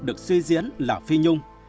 được suy diễn là phi nhung